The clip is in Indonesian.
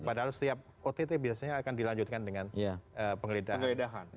padahal setiap ott biasanya akan dilanjutkan dengan penggeledahan